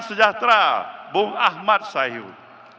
dewan sejahtera bung ahmad sahiud